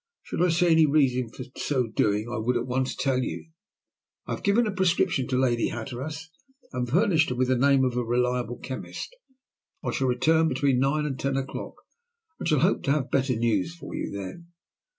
"Should I see any reason for so doing, I would at once tell you. I have given a prescription to Lady Hatteras, and furnished her with the name of a reliable chemist. I shall return between nine and ten o'clock, and shall hope to have better news for you then."